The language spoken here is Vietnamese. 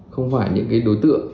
không phải những đối tượng